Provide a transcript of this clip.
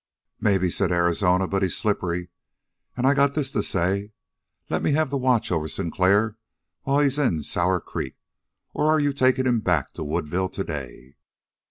"Maybe," said Arizona, "but he's slippery. And I got this to say: Lemme have the watch over Sinclair while he's in Sour Creek, or are you taking him back to Woodville today?"